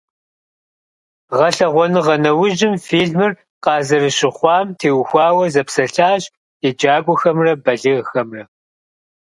Гъэлъэгъуэныгъэ нэужьым фильмыр къазэрыщыхъуам теухуауэ зэпсэлъащ еджакӀуэхэмрэ балигъхэмрэ.